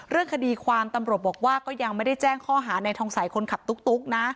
เรื่องคดีความตำรวจบอกว่าก็ยังไม่ได้แจ้งข้อหาในทองสัยคนขับตุ๊กนะ